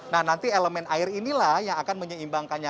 nah nanti elemen air inilah yang akan menyeimbangkannya